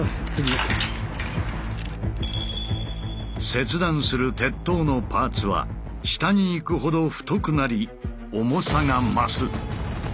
切断する鉄塔のパーツは下に行くほど太くなり重さが増す。